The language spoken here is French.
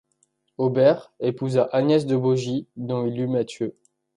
Aubert épousa Agnès de Beaugies dont il eut Mathieu.